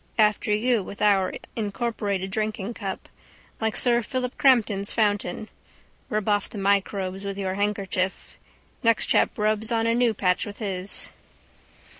After you with our incorporated drinkingcup. Like sir Philip Crampton's fountain. Rub off the microbes with your handkerchief. Next chap rubs on a new batch with his.